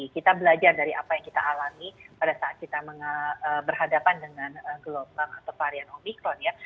kita belajar dari apa yang kita alami pada saat kita berhadapan dengan gelombang atau varian omikron ya